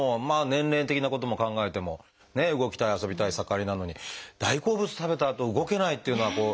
年齢的なことも考えてもね動きたい遊びたい盛りなのに大好物食べたあと動けないっていうのは。